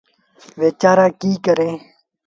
ويچآرآ ڪيٚ ڪريݩ۔